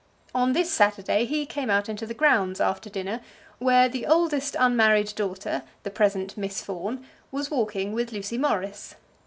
On this Saturday he came out into the grounds after dinner, where the oldest unmarried daughter, the present Miss Fawn, was walking with Lucy Morris.